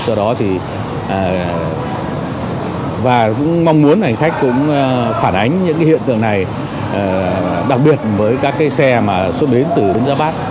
do đó thì và cũng mong muốn hành khách cũng phản ánh những cái hiện tượng này đặc biệt với các cái xe mà xuất đến từ đến ra bát